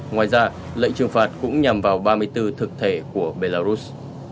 ngoài ra lệnh trừng phạt cũng nhằm vào ba mươi bốn thực thể của belarus